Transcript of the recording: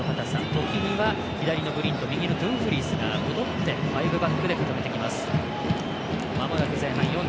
時には左のブリント右のドゥンフリースが戻ってファイブバックで固めてきます。